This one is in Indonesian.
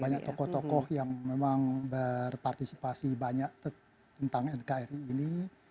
banyak tokoh tokoh yang memang berpartisipasi banyak tentang nkri ini